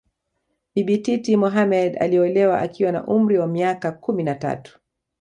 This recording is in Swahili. Bibi Titi Mohammed aliolewa akiwa na umri wa miaka kumi na tatu